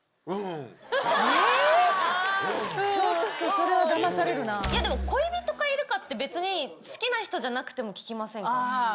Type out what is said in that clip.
けど、恋人がいるかって、別に、好きな人じゃなくても聞きませんか？